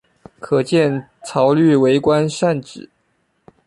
可见曹摅为官善治。